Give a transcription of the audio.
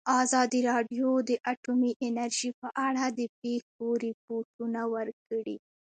ازادي راډیو د اټومي انرژي په اړه د پېښو رپوټونه ورکړي.